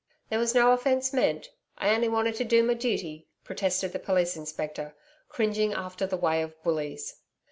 'There was no offence meant. I only wanted to do my duty,' protested the Police Inspector, cringing after the way of bullies.